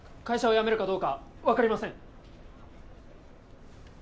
会社を辞めるかどうか分かりません。